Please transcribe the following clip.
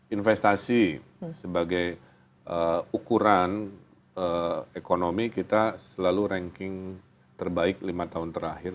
investasi sebagai ukuran ekonomi kita selalu ranking terbaik lima tahun terakhir